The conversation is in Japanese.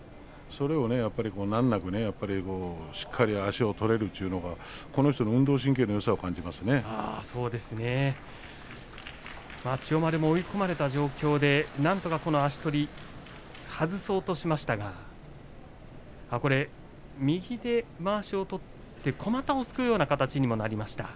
それよりも難なく足が取れるということはこの人の運動神経のよさを千代丸も追い込まれた状況でなんとか足取りを外そうとしましたが右でまわしを取ってこまたをすくうような形にもなりました。